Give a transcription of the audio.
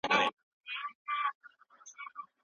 ایا لوی صادروونکي انځر ساتي؟